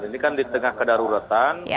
ini kan di tengah kedaruratan